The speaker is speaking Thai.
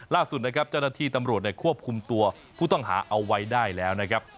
ล่าสุดนะครับเจ้าหน้าที่ตำรวจควบคุมตัวผู้ต้องหาเอาไว้ได้แล้วนะครับ